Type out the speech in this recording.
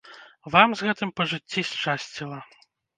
Вам з гэтым па жыцці шчасціла.